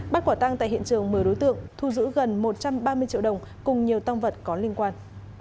bắt quả tăng tại hiện trường một mươi đối tượng thu giữ gần một trăm ba mươi triệu đồng cùng nhiều tăng vật có liên quan